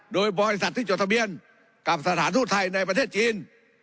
โดยบริษัทที่จดทะเบียนกับสถานทูตไทยในประเทศจีน